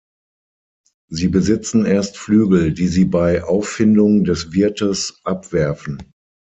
Sie besitzen erst Flügel, die sie bei Auffindung des Wirtes abwerfen.